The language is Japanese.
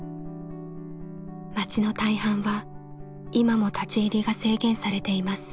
町の大半は今も立ち入りが制限されています。